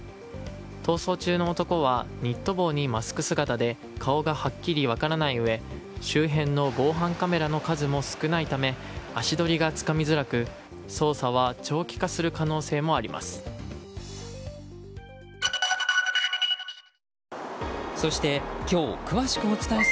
逃走中の男はニット帽にマスク姿で顔がはっきり分からないうえ周辺の防犯カメラの数も少ないため足取りがつかみづらく、捜査は長期化する可能性もあります。